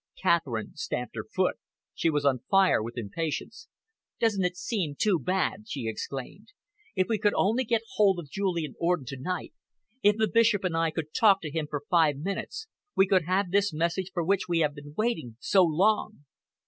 Catherine stamped her foot. She was on fire with impatience. "Doesn't it seem too bad!" she exclaimed. "If we could only get hold of Julian Orden to night, if the Bishop and I could talk to him for five minutes, we could have this message for which we have been waiting so long."